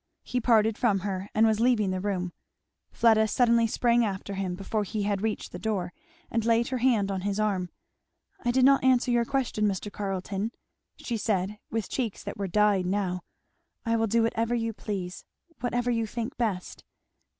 He parted from her and was leaving the room. Fleda suddenly sprang after him, before he had reached the door, and laid her hand on his arm. "I did not answer your question, Mr. Carleton," she said with cheeks that were dyed now, "I will do whatever you please whatever you think best."